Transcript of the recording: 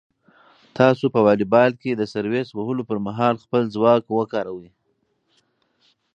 تاسو په واليبال کې د سرویس وهلو پر مهال خپل ځواک وکاروئ.